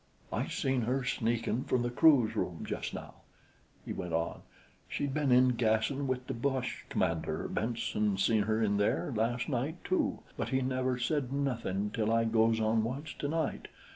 "I seen her sneakin' from the crew's room just now," he went on. "She'd been in gassin' wit' the boche commander. Benson seen her in there las' night, too, but he never said nothin' till I goes on watch tonight.